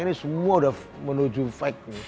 ini semua udah menuju fact